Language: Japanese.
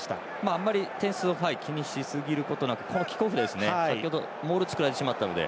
あんまり点数を気にしすぎることなくこのキックオフで、先ほどモール作られてしまったので。